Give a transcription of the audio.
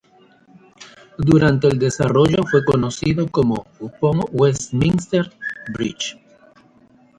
Durante el desarrollo fue conocido como "Upon Westminster Bridge".